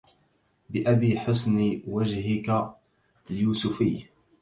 بأبي حسن وجهك اليوسفي